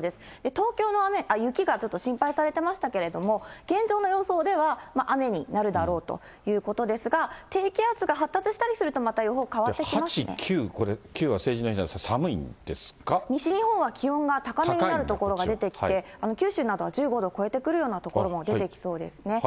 東京の雪がちょっと心配されてましたけど、現状の予想では雨になるだろうということですが、低気圧が発達したりすると、８、９、これ、９は成人の日なんですが、西日本は気温が高めになる所が出てきて、九州などは１５度超えてくるような所も出てきそうですね。